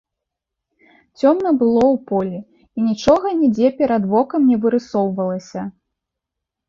Цёмна было ў полі і нічога нідзе перад вокам не вырысоўвалася.